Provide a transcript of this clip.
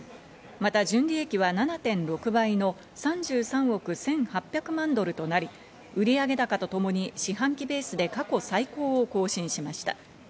また純利益は７．６倍の３３億１８００万ドルとなり、売上高とともに四半期ベースで過去最高を更新しました。